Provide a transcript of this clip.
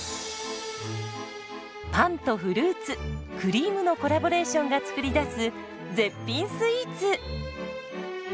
パンとフルーツクリームのコラボレーションが作り出す絶品スイーツ。